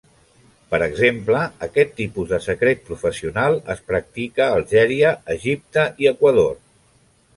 Per exemple, aquest tipus de secret professional es practica a Algèria, Egipte i Equador.